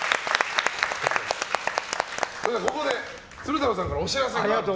ここで鶴太郎さんからお知らせが。